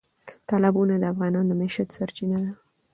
تالابونه د افغانانو د معیشت سرچینه ده.